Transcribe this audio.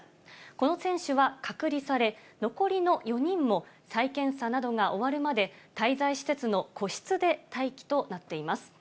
この選手は隔離され、残りの４人も再検査などが終わるまで、滞在施設の個室で待機となっています。